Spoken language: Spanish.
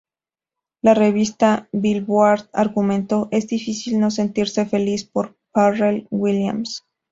La revista Billboard argumentó ""Es difícil no sentirse feliz por Pharrell Williams.